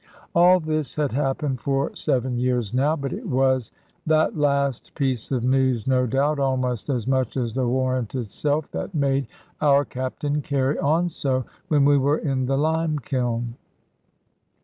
All this had happened for seven years now: but it was that last piece of news, no doubt, almost as much as the warrant itself, that made our Captain carry on so when we were in the lime kiln.